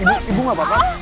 ibu ibu gak apa apa